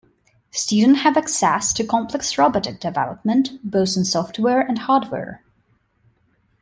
Student have access to complex robotic development, both in software and hardware.